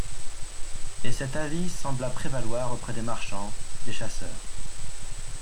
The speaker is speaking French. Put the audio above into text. Et cet avis sembla prévaloir auprès des marchands, des chasseurs.